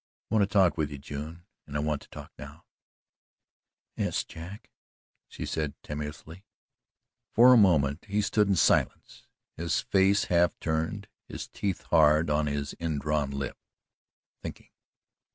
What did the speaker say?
"I want to talk with you, June and I want to talk now." "Yes, Jack," she said tremulously. For a moment he stood in silence, his face half turned, his teeth hard on his indrawn lip thinking.